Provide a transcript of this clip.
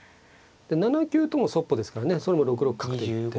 ７九ともそっぽですからねそれも６六角と行って。